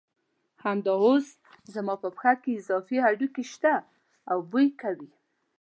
همدا اوس زما په پښه کې اضافي هډوکي شته او بوی کوي.